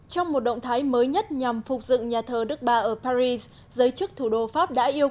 trong một động thái mới nhất nhằm phục dựng nhà thờ đức ba ở paris giới chức thủ đô pháp đã yêu